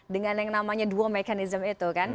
dengan yang namanya duo mekanism itu kan